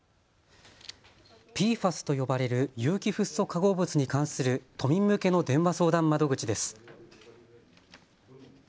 ＰＦＡＳと呼ばれる有機フッ素化合物に関する都民向けの電話相談窓口です。